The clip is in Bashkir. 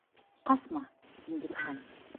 Ҡасма, Диңгеҙхан...